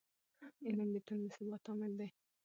علم د ټولنې د ثبات عامل دی.